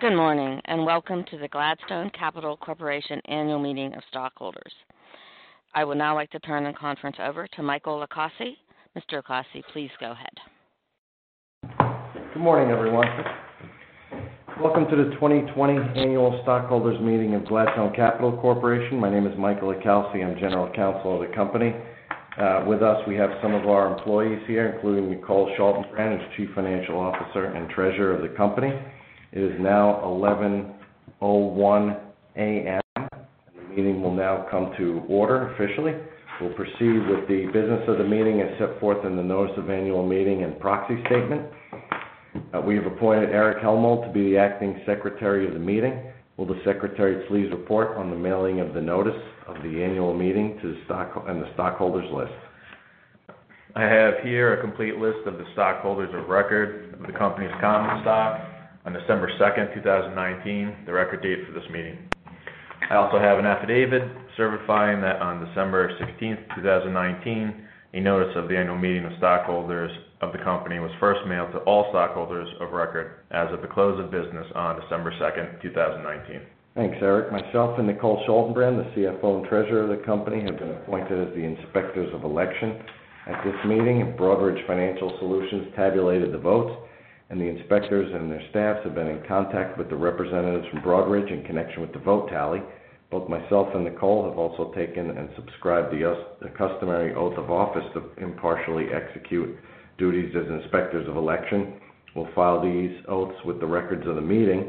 Good morning, welcome to the Gladstone Capital Corporation Annual Meeting of Stockholders. I would now like to turn the conference over to Michael Accorsi. Mr. Accorsi, please go ahead. Good morning, everyone. Welcome to the 2020 Annual Stockholders Meeting of Gladstone Capital Corporation. My name is Michael Accorsi. I'm General Counsel of the company. With us, we have some of our employees here, including Nicole Schaltenbrand, who's Chief Financial Officer and Treasurer of the company. It is now 11:01 A.M. The meeting will now come to order officially. We'll proceed with the business of the meeting as set forth in the notice of annual meeting and proxy statement. We have appointed Erich Hellmold to be the acting Secretary of the meeting. Will the Secretary please report on the mailing of the notice of the annual meeting and the stockholders list? I have here a complete list of the stockholders of record of the company's common stock on December 2nd, 2019, the record date for this meeting. I also have an affidavit certifying that on December 16th, 2019, a notice of the Annual Meeting of Stockholders of the company was first mailed to all stockholders of record as of the close of business on December 2nd, 2019. Thanks, Erich. Myself and Nicole Schaltenbrand, the CFO and Treasurer of the company, have been appointed as the Inspectors of Election at this meeting, and Broadridge Financial Solutions tabulated the votes, and the Inspectors and their staffs have been in contact with the representatives from Broadridge in connection with the vote tally. Both myself and Nicole have also taken and subscribed the customary oath of office to impartially execute duties as Inspectors of Election. We'll file these oaths with the records of the meeting,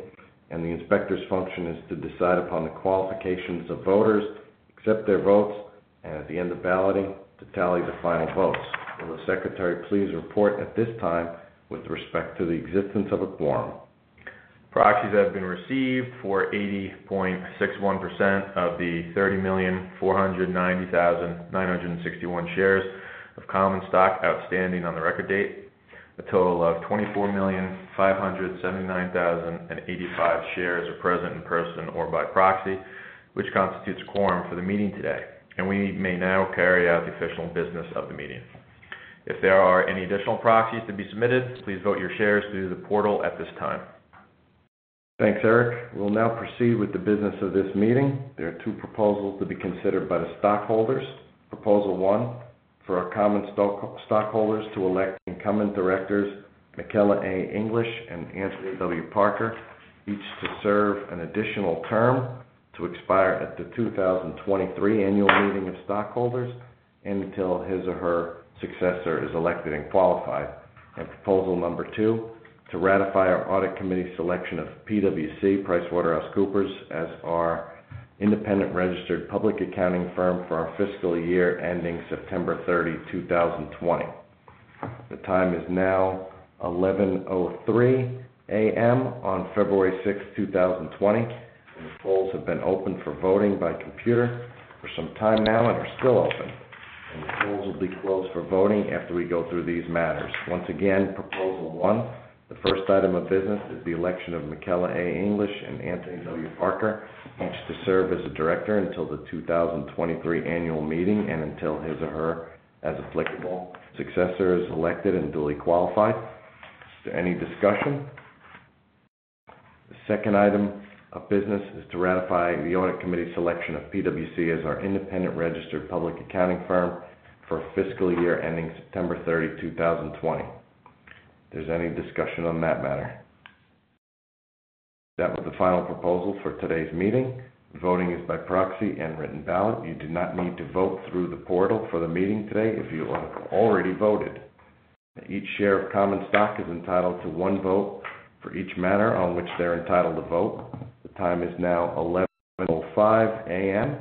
and the Inspectors' function is to decide upon the qualifications of voters, accept their votes, and at the end of balloting, to tally the final votes. Will the Secretary please report at this time with respect to the existence of a quorum? Proxies have been received for 80.61% of the 30,490,961 shares of common stock outstanding on the record date. A total of 24,579,085 shares are present in person or by proxy, which constitutes a quorum for the meeting today, and we may now carry out the official business of the meeting. If there are any additional proxies to be submitted, please vote your shares through the portal at this time. Thanks, Erich. We'll now proceed with the business of this meeting. There are 2 proposals to be considered by the stockholders. Proposal 1, for our common stockholders to elect incumbent directors, Michela A. English and Anthony W. Parker, each to serve an additional term to expire at the 2023 Annual Meeting of Stockholders and until his or her successor is elected and qualified. Proposal number 2, to ratify our Audit Committee's selection of PwC, PricewaterhouseCoopers, as our independent registered public accounting firm for our fiscal year ending September 30, 2020. The time is now 11:03 A.M. on February 6th, 2020, and the polls have been open for voting by computer for some time now and are still open, and the polls will be closed for voting after we go through these matters. Once again, Proposal 1, the first item of business is the election of Michela A. English and Anthony W. Parker each to serve as a director until the 2023 annual meeting and until his or her, as applicable, successor is elected and duly qualified. Is there any discussion? The second item of business is to ratify the Audit Committee's selection of PwC as our independent registered public accounting firm for our fiscal year ending September 30, 2020. Is there any discussion on that matter? That was the final proposal for today's meeting. Voting is by proxy and written ballot. You do not need to vote through the portal for the meeting today if you have already voted. Each share of common stock is entitled to one vote for each matter on which they're entitled to vote. The time is now 11:05 A.M.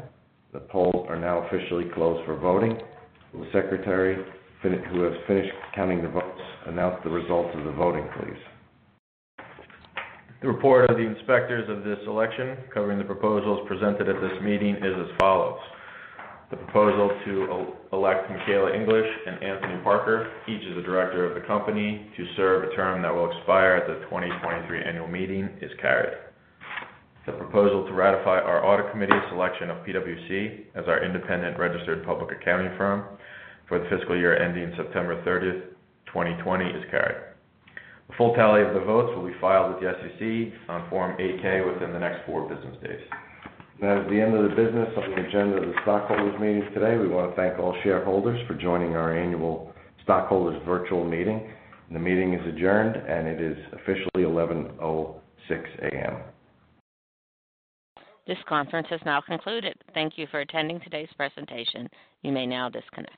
The polls are now officially closed for voting. Will the Secretary, who has finished counting the votes, announce the results of the voting, please? The report of the Inspectors of this Election covering the proposals presented at this meeting is as follows. The proposal to elect Michela English and Anthony Parker, each as a director of the company to serve a term that will expire at the 2023 annual meeting is carried. The proposal to ratify our Audit Committee's selection of PwC as our independent registered public accounting firm for the fiscal year ending September 30th, 2020, is carried. A full tally of the votes will be filed with the SEC on Form 8-K within the next four business days. That is the end of the business of the agenda of the stockholders meeting today. We want to thank all shareholders for joining our annual stockholders virtual meeting. The meeting is adjourned, and it is officially 11:06 A.M. This conference has now concluded. Thank you for attending today's presentation. You may now disconnect.